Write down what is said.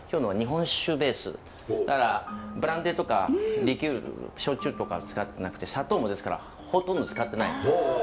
だからブランデーとかリキュール焼酎とかは使ってなくて砂糖もですからほとんど使ってないんです。